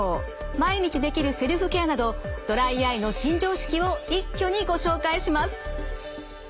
毎日できるセルフケアなどドライアイの新常識を一挙にご紹介します。